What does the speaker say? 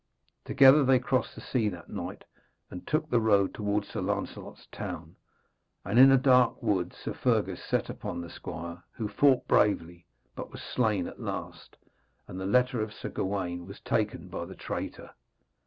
Together they crossed the sea that night and took the road towards Sir Lancelot's town; and in a dark wood Sir Fergus set upon the squire, who fought bravely, but was slain at last, and the letter of Sir Gawaine was taken by the traitor.